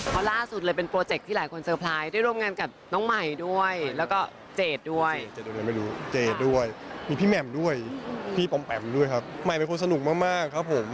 เขาล่าสุดเลยเป็นโปรเจกต์ที่หลายคนสเฟรร์ไพร์ตได้ร่วมงานกับน้องมัยด้วยและผมมีพี่เม็มมาเป็นคนสนุกมากครับ